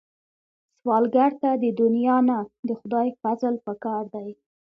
سوالګر ته د دنیا نه، د خدای فضل پکار دی